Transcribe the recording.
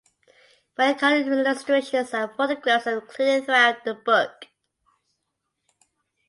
Many color illustrations and photographs are included throughout the book.